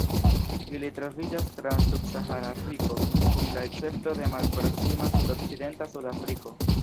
Ili troviĝas tra subsahara Afriko, kun la escepto de malproksima sudokcidenta Sudafriko.